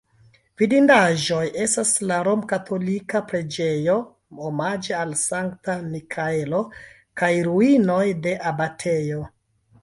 Vidindaĵoj estas la romkatolika preĝejo omaĝe al Sankta Miĥaelo kaj ruinoj de abatejo.